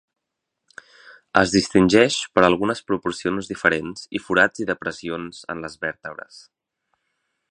Es distingeix per algunes proporcions diferents i forats i depressions en les vèrtebres.